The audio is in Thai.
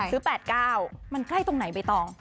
ซื้อ๘๙มันใกล้ตรงไหนไปต่อ